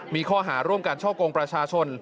มีข้อหาร่วมการช่อกงประชาชน